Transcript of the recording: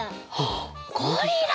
ゴリラ。